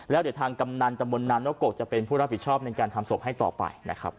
แล้วเดี๋ยวทางกำนันตะบนนานนกกจะเป็นผู้รับผิดชอบในการทำศพให้ต่อไปนะครับ